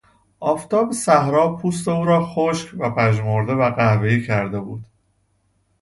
آفتاب صحرا پوست او را خشک و پژمرده و قهوهای کرده بود.